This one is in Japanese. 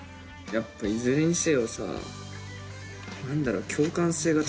やっぱいずれにせよさ何だろう歌を書くよね